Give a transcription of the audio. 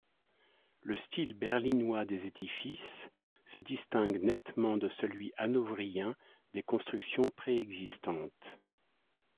Le style berlinois des édifices se distinguent nettement de celui hanovrien des constructions pré-existantes.